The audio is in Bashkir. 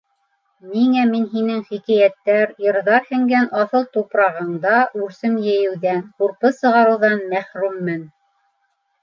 Ниңә мин һинең хикәйәттәр-йырҙар һеңгән аҫыл тупрағында үрсем йәйеүҙән, ҡурпы сығарыуҙан мәхрүммен?